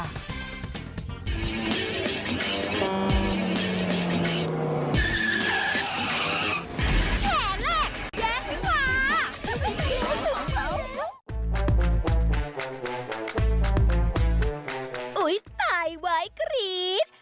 โอ้ยตายไว้กรี๊ด